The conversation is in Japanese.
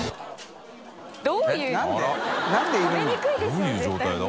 どういう状態だ？